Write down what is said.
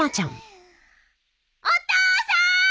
お父さん！